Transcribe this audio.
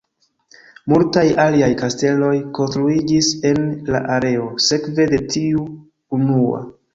Multaj aliaj kasteloj konstruiĝis en la areo sekve de tiu unua.